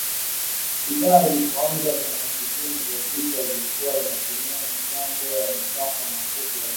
Idhaa ilipoanza miaka sitini iliyopita ilikua inatumia mitambo ya masafa mafupi, lakini kutokana na kuendelea kwa teknolojia